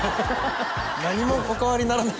何もお変わりにならない